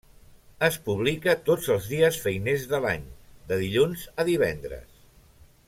Es publica tots els dies feiners de l'any, de dilluns a divendres.